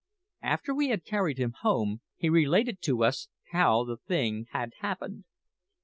After we had carried him home, he related to us how the thing had happened.